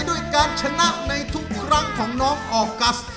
ด้วยการชนะในทุกครั้งของน้องออกัส